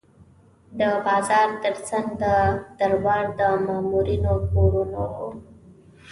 د بازار ترڅنګ د دربار د مامورینو کورونه وو.